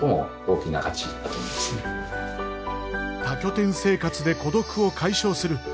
多拠点生活で孤独を解消する。